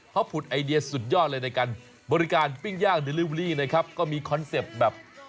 เขาผุดไอเดียสุดยอดเลยในการบริการปิ้งย่างเดลิเวอรี่นะครับก็มีคอนเซ็ปต์แบบ